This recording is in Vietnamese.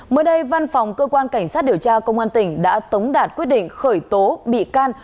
mới đây văn phòng cơ quan cảnh sát điều tra công an tỉnh đã tống đạt quyết định khởi tố bị can